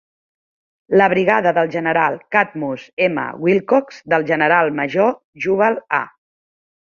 La brigada del general Cadmus M. Wilcox, del general major Jubal A.